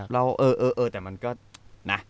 เราเออเออแต่มันก็นะ